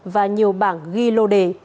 và nhiều bảng ghi lô đề